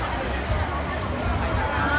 ก็มีนิดนึง